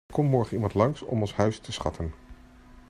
Er komt morgen iemand langs om ons huis te schatten.